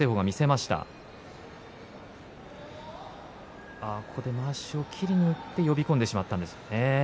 まわしを切りにいって呼び込んでしまったんですね。